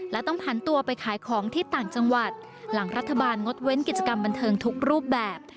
และต้องผันตัวไปขายของที่ต่างจังหวัดหลังรัฐบาลงดเว้นกิจกรรมบันเทิงทุกรูปแบบ